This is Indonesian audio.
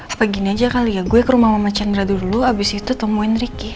sepegini aja kali ya gue ke rumah mama chandra dulu abis itu temuin ricky